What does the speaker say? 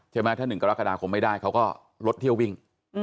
ถ้าหนึ่งกรกฎาคมไม่ได้เขาก็รถเที่ยววิ่ง